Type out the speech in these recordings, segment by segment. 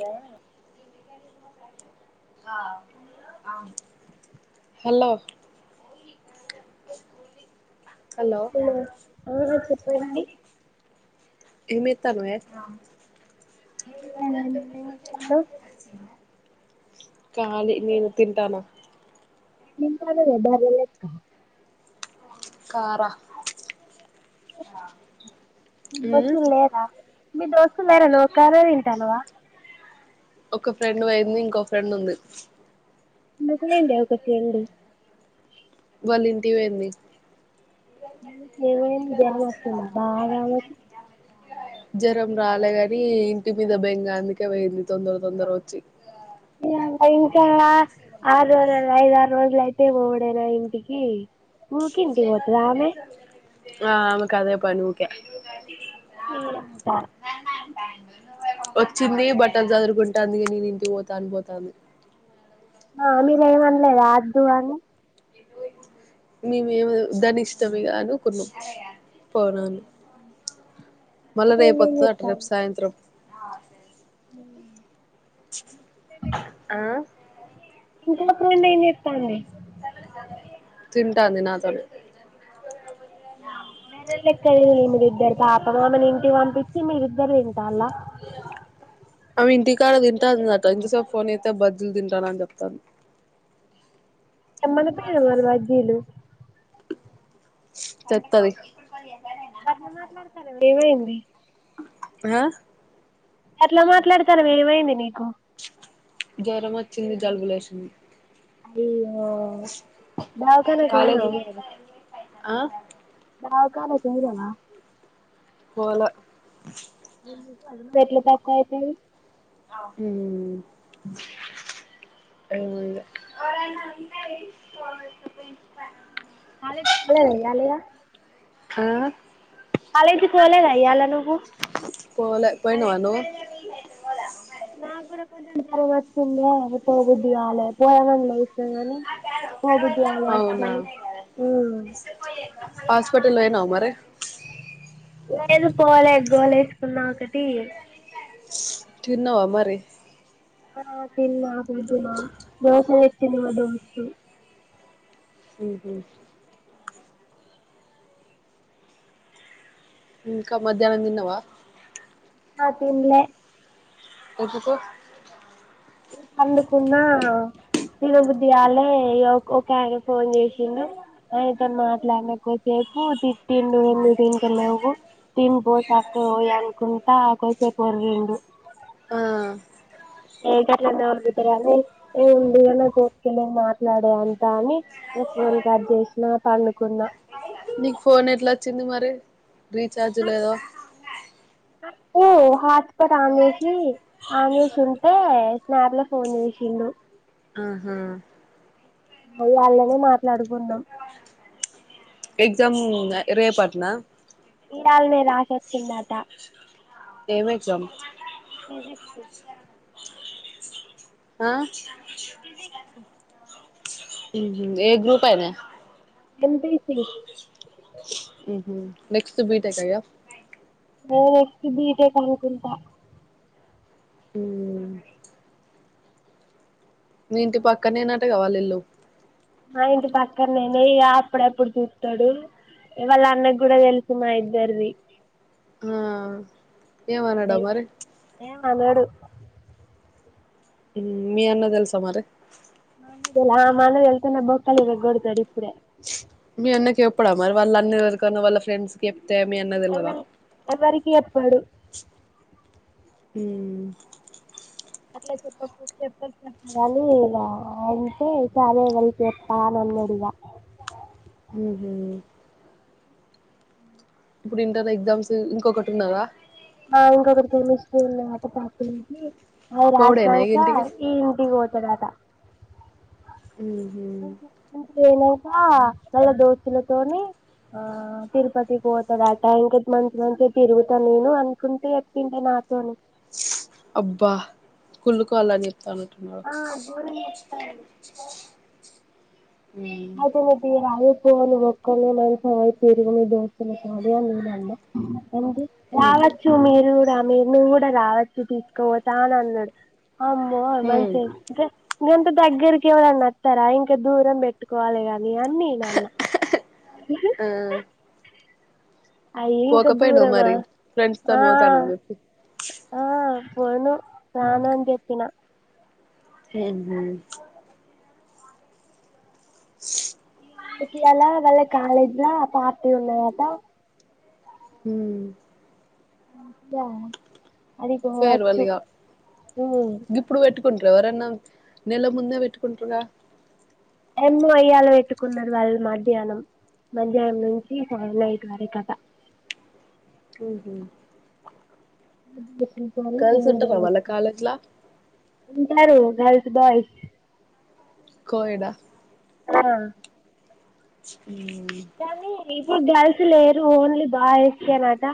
Hello ఆ hello hello ఆ చెప్పండి ఏం చేత్తానవే కాలి నేను తింటాన్నా ఏం తింటన్నవే బర్రె లెక్క కారా మీ ఉమ్ దోస్తులు లేరా మీ దోస్తులు లేరా నువ్ ఒక్కామె తింటానవా ఒక ఫ్రెండ్ పోయింది ఇంకో ఫ్రెండ్ ఉంది ఎందుకు పొయిందే ఒక ఫ్రెండ్ వాళ్ళ ఇంటికీ పోయింది ఏమయింది జ్వరం వచ్చిందా బాగా ఆమెకి జ్వరం రాలేగాని ఇంటి మీద బెంగా అందుకే పోయింది తొందర తొందర వచ్చి. [unintelligible] ఐదు ఆరు రోజులు అయితే పోవుడేనా ఇంటికి ఊకే ఇంటికి పోతదా ఆమె ఆ ఆమెకు అదే పని ఊకె [unintelligible] వచ్చిందీ బట్టలు సదురుకుంటాంది నేను ఇంటికి పోతా అని పోతాంది [inaudible] మీరేం అనలేదా ఆద్దు అనీ [unintelligible] మేమేమీ దాని ఇష్టమిగా అనుకున్నాం పోనాని. మా మళ్ళా రేపు ఫ్రెండ్ ఏం ఓత్తదట రేపు చెప్తాంది సాయంత్రం ఆ ఇంకో ఫ్రెండ్ ఏం చేత్తాంది తింటాంది నాతోనె బర్రెల్లెక్క తిను మీదిద్దరు పాపం ఆమన్ ఇంటికి పంపించి మీరిద్దర్ తింటాల్ల ఇ [unintelligible] అమె ఇంటికాడ తింటాందట ఇంతసేప్ ఫోన్ చేత్తే బజ్జీల్ తింటాన అని చెప్తంది తేమ్మనపోయినవ్ మరి బజ్జీలు తెత్తది గట్ల మాట్లాడతానవ్ ఏమైంది హా అట్ల మాట్లాడతనవ్ ఏమైంది నీకు జరమొచ్చింది జలుబులేశింది అయ్యో దావ్కానక్ వోయినవా కాలేజీ మరి ఆ దవ్కానక్ వోయినవా పోలె ఎట్ల తక్కువైతది మ్ ఏమో ఇగ కాలేజ్క్పోలేదా ఇయ్యాలిగా ఆ కాలేజీక్ వోలేదా ఇయ్యాల నువ్ పోలే పోయినవా నువ్ నాక్ గుడా కొంచెం జరం ఒచ్చిందే పోబుద్దిగాలే పోదామని లేసి గనీ పోబుద్ధి గాలే అస్సలు ఆ హాస్పటల్ వోయినవా మరి లేదు పోలే గోలేసుకున్నా ఒకటి తిన్నవా మరీ ఆ తిన్న పోతున్న దోశ తచ్చింది మా దోస్తు మ్ హ్ ఇంక మధ్యానం దిన్నవా ఆ తిన్లే ఏతుకు పండుకున్నా తినబుద్ధిగాల్లే ఇగ ఒక అయన ఫోన్ చేసిండు ఆయనతోన్ మాట్లాడినకోసేపు తిట్టిండు ఎందుకు తింటలేవు తిను్పో సక్కగ్ వొయ్ అనుకుంటా కోసేపు ఒర్రిండు ఆ మరి అదే ఎంది అని నాక్ ఓపిక లేదు మాట్లాడే అంత అని ఇగ ఫోన్ కట్ జేష్నా పండుకున్న నీక్ ఫోన్ ఎట్ల ఒచ్చింది మరి రీఛార్జ్ లేదో హాస్పాట్ ఆన్ చేషీ ఆన్ చేషుంటే స్నాప్ ల ఫోన్ జేషిండు ఆహా అల్లల్లనే మాట్లాడుకున్నాం ఎగ్జామ్ రేపట్నా ఇయాల్నె రాశొచ్చిండట ఏం ఎగ్జాం పిజిక్సు ఆ మ్ హ్ ఏ గ్రూప్ అయ్ న ఎంపిసి మ్ హ్ నెక్స్ట్ బీటక్కా ఇగ ఎక్ బటేక్ అనుకుంటా ఉ మీ ఇంటి పక్కనేనటగా వాళ్ళ ఇల్లు మా ఇంటి పక్కన నేనే ఇగా అప్పుడెప్పుడు చూస్తాడు వాళ్ళ అన్నకి గూడా తెలుసు మా ఇద్దరిది ఆ ఏమనడా మరి ఏం అనడు మీ అన్న తెలుసా మరి ఆ మా అన్నకి తేలిస్తే నా బోక్కలు ఇరగోడ తాడు ఇప్పుడే మీ అన్నకి చేప్పడా మరి వాళ్ళ అన్నిన్నా వాళ్ళ ఫ్రెండ్స్కి తే మీ అన్నకి తెలువదా ఎవరి ఎవరికి చెప్పడు ఉమ్ అట్లా చెప్ప చెప్ప చెప్పగాని ఇలా అంటే ఇగా చదివి వెళ్ళి చెప్పా అన్నది ఒడిగా ఉహు ఇప్పుడు ఇంటర్ ఎగ్జామ్స్ ఇంకొకటి ఉన్నాదా ఇంకొకరు కెమిస్ట్రీ ఉన్న నాతోపాటు అవి పోవుడేనా ఇగ రాసాక ఇంటికి ఈ ఇంటికి తర్వాత ఉహు పోయినాక మల్ల దోస్తులతోని ఆ తిరుపతికి పోతాడు అటా ఇంకొక మన్త్ నుంచి తిరుగుతాను నేను అనుకుంటే చెప్పింటే నాక నాతోని అబ్బా కుల్కువలని తన్నూటన్నా ఆ గోరంగా చెప్తాండు [unintelligible] రావచ్చు మీరు మీరు ఈవినింగ్ కూడా రావచ్చు తీసుకపోతనడు అమ్మో మంచి అంటే అంత దగ్గరికి ఎవరున్న వస్తారా ఇంకా దూరం పెట్టుకోవాలి గాని నీ అన్నీ నేను అన్న ఆ అయి ఇంకా పోకపోయినవ్ దూరమా మరి ఫ్రెండ్స్ ఆ తోని పోతానని చెప్పి ఆ పోను రానని చేప్పిన [unintelligible] [inaudible] పండు ఇయ్యాలా వాళ్ళ కాలేజ్ ల పార్టీ ఉన్నదటా హమ్ గా అది ఫేర్వెల్ పొవచ్చు ఇగ మ్ గిప్పుడు ఎవరన్నా నెల ముందే పెట్టుకుంటార్ గా యమ్ మో ఇయాల వేట్టుకునరు వాళ్ళు మధ్యానం మంధ్యానం నుంచి సాన్ నైట్ వరకట ఉహు పించను గర్ల్స్ ఉంటరా వాళ్ళ కాలేజ్లా ఉంటారు హెల్త్ బాయ్ కోయీడా ఆ టామి ఇట్ గర్ల్స్ లేరు ఓన్లీ బాయ్స్ కెనట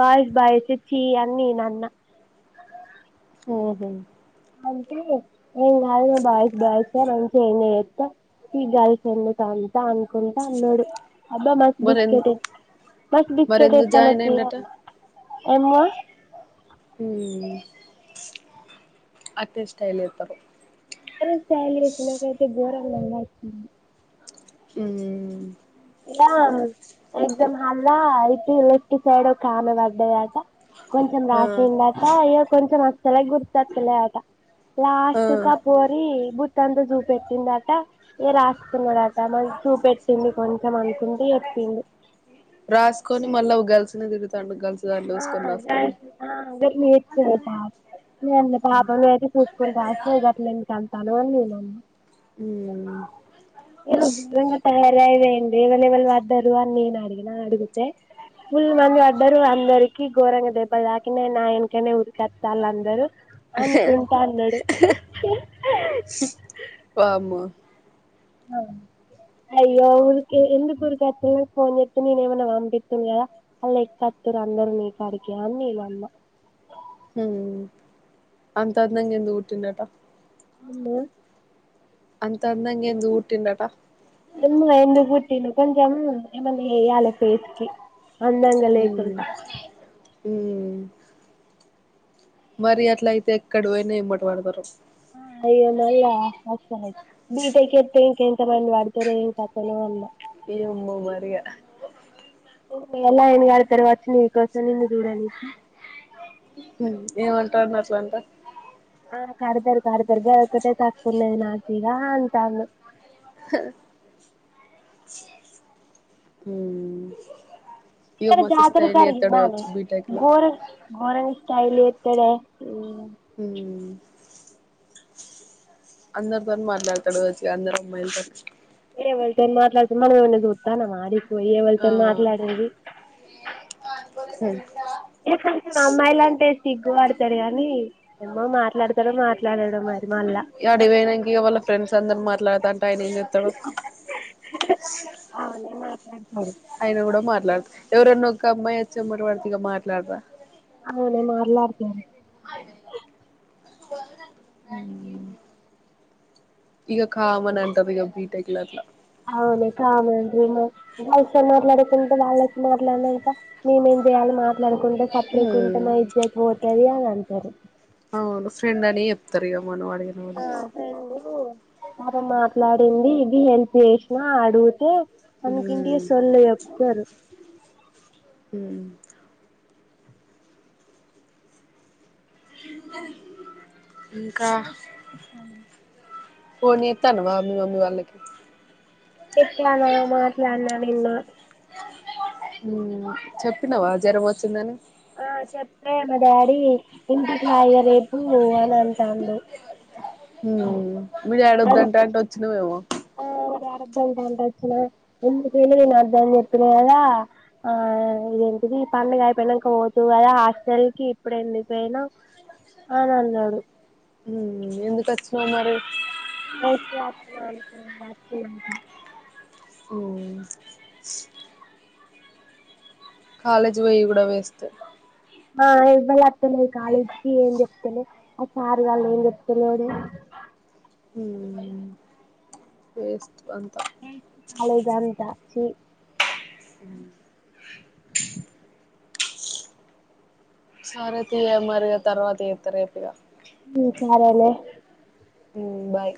బాయ్స్ బాయ్స్ చీ అని నే అన్నా ఉహు అంటే ఏం గాదు బాయ్స్ బాయ్స్ మంచిగా ఎంజాయ్ చేస్తా ఈ గల్ ఫ్రెండ్ ఎందుకు అంతా అన్కుంటా అన్నాడు అబ్బా మంచి మరెం బిస్కెట్ మస్త్ బిస్కెట్ మరెందుకు ఇస్తునవ్ జాయిన్ తీ అయిండట ఉమ్ అటనే స్టల్ చేస్తారు అర్ స్ స్టై ల్ ఇన్ దకైతే గోరం గద రా చిన్ [unintelligible] చి న్ నీ [unintelligible] ఇగ ఆ ఎగ్ జామ్ హల్ ల ఇటివ్ లేఫ్ట్ సైడ్ ఓకామె బడ్డది అట కొంచమ్ ఆ రాశిందట అయ్యో కొంచమ్ అసలే గుర్ త్తలే అట లాస్టుక ఆ పోరి బుత్తంతా చూపెట్టిందట ఏ రాస్ కుంనద తమన్ చూపెట్టింది కొంచమ్ అనుకుంటి ప్పిండు అట్ నే తిరుతాండు గల్ ల్స్ ఆ గల్ స్ ఆ గట్ నే జెతుంన్ పాప్ ఎమ్ లే పాపమ్ లే లేతి చూస్ కుంట్ రాశ్ నవ్ గట్ లెన్ తన్ కలవన్ నేన్ నమ్మ మ్మ్ ఇరువ్ నిజన్ ట్యా [unintelligible] రైమెంది ఎవలెవల్ బడ్డర్ అన్ నేన్ అడిగిన అడుగుతే ఫుల్ మంద్ బడ్డఅన్ అందరికి గోరంగ దెబ్బల్ దాకినయ్ నా ఏనకనే ఉర్ కతాల్ అందరు అన్ కుంటా అనడు హ్ హ్ హి హి వామ్మో అ అయ్యో ఉర్ కే ఎందుకుర్ కొతనవ్ ఫోన్ జెతే నేన్ ఏమనా వాంపితునే గద అల్ ఎతత్ తుర్ అందరు నీ కాడిగె అన్ నేనన్న హుమ్ అంతందంగా ఎందుక్ పుట్టినట ముల్లో అంతందంగ ఎందుక్ పుటింనట యమ్ మో ఎందుక్ పుటిండో కొంచమ్ ఏమన్ ఏయాల ఫేస్ కి అందంగ లేకుంట హుమ్ మరి అట్ల అయితే ఎక్కడ్ బోయిన యమ్ మట పడతరు అయ్యో మల్ల ఆ మస్ పనై [unintelligible] బీటెక్ జేతే ఇంక్ ఎంత మంది బడ్ తారో ఏం కత్ తున్నదో అన్న ఏమో మరియా ఇంగె లైన్ గడతర్ ఓచ్చి నీకొసమ్ నిన్ను జూడనికి హ్మ్ ఏవంటండ్ అస్ లంట కర్ తర్ కర్ తర్ గా ఒకటే తక్కుకునది నా కిగ అంటండ్ హ హ్మ్ ఇకరు జాతర జర్ గిందనే ల బోరు గోరంగ్ స్టై ల్ జేతడే ఉమ్ అందర్ తోన్ మాట్లాడతాడు ఓచ్చి అందరమ్మాయిల్ తో ఏ ఎవర్ తోన్ మాట్లాడ్ తు మనమ్ ఎవర్ నన్ జుతానమ అజీవ్ పోయి ఎవల్ తోన్ ఆ మాట్లాడేది ఏ కొంచమ్ అమ్మాయిలంటే సిగ్గు బడతడ్ గానీ ఏమ్మో మాట్లాతాడో మాట్లాడడో మర్ ఇవాళ్ళ యాడికి ఇగ వళ్ళ ఫ్రెండ్స్ అందన్ మా ట్ల టాయి నై జెతాడో అవునే మాట్లాడతాడు ఆయిన గుడా మాట్లాత్ ఎవరోన్నా ఒక అమ్మాయి వచ్చి ఎమట్ పడ్ తే ఇగ మాట్లాడ్ రా హవ్ నే మాట్లాడ్ తున్ హ్మ్ ఇగ కామనంటార్ బిగబ్ [unintelligible] బీటెకె లా అట్లా గల్ ల్స్ తో మాట్లాడ్ కుంట వాళ్ళత్ [unintelligible] మాట్లాడ్ నంక మేమేం జెయాలి మా మాట్లాడ్ కుంట సప్ రేట్ కుంట హ్మ్ మా ఇజత్ పోతది అన్ అంటారు అవును ఫ్రెండ్ అనే చెప్ తరు ఇగ మనం అడిగిన కూడా పాపమ్ మాట్లాడింది ఇది అన్ చేశ్ నా అడుగుతే అనుకుంటి హ్మ్ సొల్లు జెప్ తరు హ్మ్ ఇ మీ దోస్త్ ఏం చేత్తంది ఫోన్ చెత్తనవా మి మమ్మీ వాళ్ళకి చేత్తాన మాట్లాడిన నిన్న ఉమ్ చెప్పినావా జ్వరం వచ్చిందని ఆ చెప్తే మా డాడి ఇంటికి రా ఇగ రేపు అని అంటండు హ్మ్ మీ డాడీ వద్దంటంటే వచ్చినవేమో మా డాడీ వద్దంటటే వచ్చిన ఎందుకుపోనా నేను వద్ద అని చెప్పిన కదా ఆ ఇగ ది పండుగ అయిపోయినంక పోతువు కదా హాస్టల్ కి ఇప్పుడే ఎందుకు పోయినవ్ అనన్నాడు ఉమ్ మ్ ఎందుకు వచ్చినవ్ మరి [unintelligible] ఉమ్ కాలేజీ పోయ్యి కూడా వెస్ట్ ఆ ఎవ్వళ్లత్తలేదు కాలేజీకి ఏం చెప్తాలే ఆ సార్ గాళ్ళు ఏం చెప్తలేడు ఉమ్ వేస్ట్ ప వేస్ట్ కాలేజ్ అంత ఛీ సరే తీయిగ మరి తర్వాత చేత్తా రేపి గా ఉమ్ సరేలేే ఉమ్ బాయ్